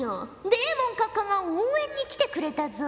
デーモン閣下が応援に来てくれたぞ。